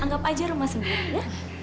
anggap aja rumah sendiri ya